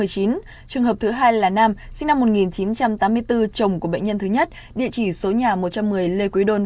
trường hợp thứ hai là nam sinh năm một nghìn chín trăm tám mươi bốn chồng của bệnh nhân thứ nhất địa chỉ số nhà một trăm một mươi lê quý đôn